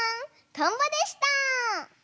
トンボでした！